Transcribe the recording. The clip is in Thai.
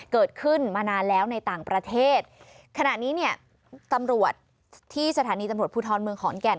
เกิดขึ้นมานานแล้วในต่างประเทศขณะนี้เนี่ยตำรวจที่สถานีตำรวจภูทรเมืองขอนแก่น